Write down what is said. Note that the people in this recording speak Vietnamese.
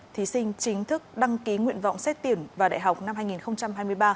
thí sinh chính thức đăng ký nguyện vọng xét tuyển vào đại học năm hai nghìn hai mươi ba